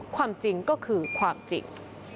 ความจริงก็คือความจริง